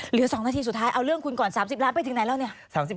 เหลือ๒นาทีสุดท้ายเอาเรื่องคุณก่อน๓๐ล้านไปถึงไหนแล้วเนี่ย